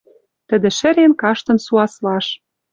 Тӹдӹ шӹрен каштын суаслаш.